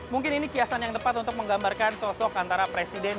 mungkin ini kiasan yang tepat untuk menggambarkan sosok antara presiden